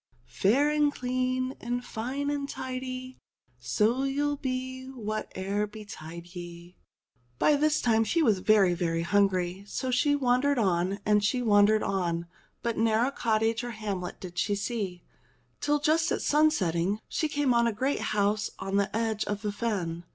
Fair and clean, and fine and tidy, So you'll be what ere betide ye." By this time she was very, very hungry, so she wandered on, and she wandered on ; but ne'er a cottage or a hamlet did she see, till just at sun setting, she came on a great house on the edge of the fen.